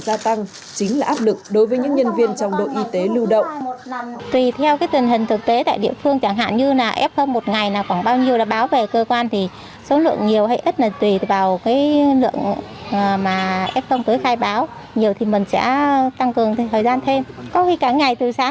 gia tăng chính là áp lực đối với những nhân viên trong đội y tế lưu động